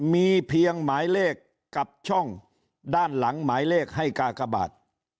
มีเพียงหมายเลขกับช่องด้านหลังหมายเลขให้กากบาท